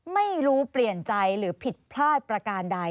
ไม่รู้เปลี่ยนใจหรือผิดพลาดประการใด